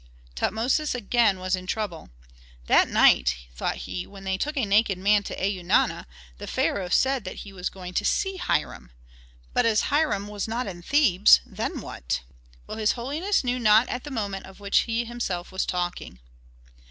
Tutmosis again was in trouble: "That night," thought he, "when they took a naked man to Eunana, the pharaoh said that he was going to see Hiram. But as Hiram was not in Thebes, then what? Well, his holiness knew not at the moment that of which he himself was talking."